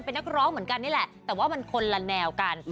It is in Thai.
เป็นนักร้องเหมือนกันนี่แหละแต่ว่ามันคนละแนวกัน